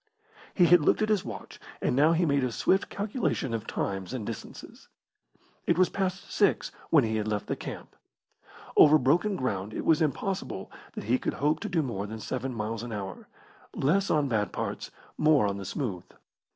He had looked at his watch, and now he made a swift calculation of times and distances. It was past six when he had left the camp. Over broken ground it was impossible that he could hope to do more than seven miles an hour less on bad parts, more on the smooth.